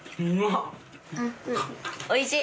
おいしい？